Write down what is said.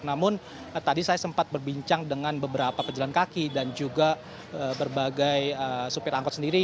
namun tadi saya sempat berbincang dengan beberapa pejalan kaki dan juga berbagai supir angkot sendiri